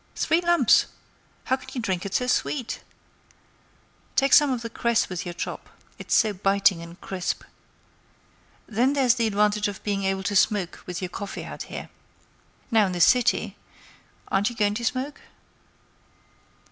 Three lumps! How can you drink it so sweet? Take some of the cress with your chop; it's so biting and crisp. Then there's the advantage of being able to smoke with your coffee out here. Now, in the city—aren't you going to smoke?"